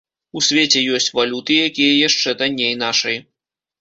У свеце ёсць валюты, якія яшчэ танней нашай.